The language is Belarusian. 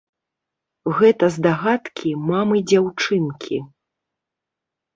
Гэта здагадкі мамы дзяўчынкі.